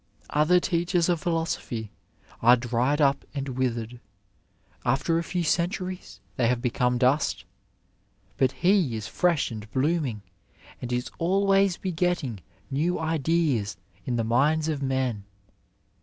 Other teachers of philosophy are dried up and withered — after a few centuries they have become dust ; but he is fresh and blooming, and is always begetting new ideas in the minds of men.